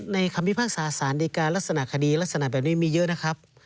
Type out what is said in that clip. คำพิพากษาสารดีการลักษณะคดีลักษณะแบบนี้มีเยอะนะครับ